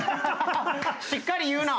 しっかり言うな！